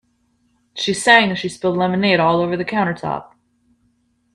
She sang as she spilled lemonade all over the countertop.